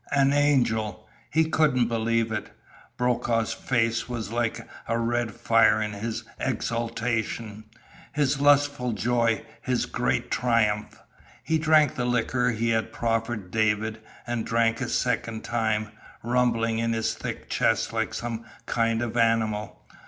An angel! He couldn't believe it! Brokaw's face was like a red fire in his exultation, his lustful joy, his great triumph. He drank the liquor he had proffered David, and drank a second time, rumbling in his thick chest like some kind of animal.